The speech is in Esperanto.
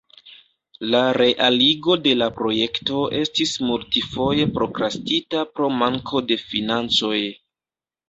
La realigo de la projekto estis multfoje prokrastita pro manko de financoj.